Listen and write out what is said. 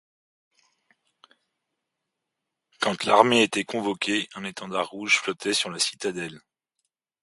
Quand l'armée était convoquée, un étendard rouge flottait sur la citadelle.